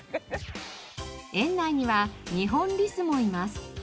園内にはニホンリスもいます。